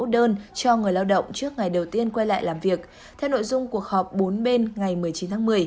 đơn cho người lao động trước ngày đầu tiên quay lại làm việc theo nội dung cuộc họp bốn bên ngày một mươi chín tháng một mươi